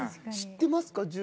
知ってますか？